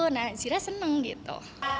nah zira seneng gitu